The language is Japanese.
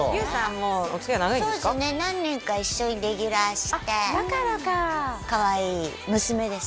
そうですね何年か一緒にレギュラーしてだからかかわいい娘です